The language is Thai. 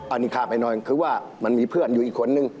อันนี้ข้ามไปหน่อยคือว่ามันมีเพื่อนอยู่อีกคนนึง